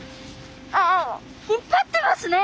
ああ引っぱってますね！